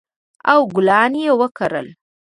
او ګلان یې وکرل